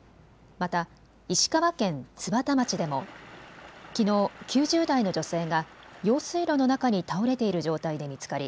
また石川県津幡町でもきのう９０代の女性が用水路の中に倒れている状態で見つかり